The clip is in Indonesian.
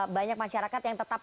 banyak masyarakat yang tetap